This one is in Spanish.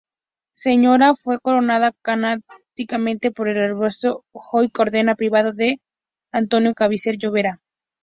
Señora fue coronada canónicamente por el Arzobispo, hoy Cardenal Primado, D. Antonio Cañizares Llovera.